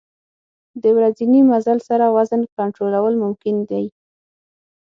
د ورځني مزل سره وزن کنټرول ممکن دی.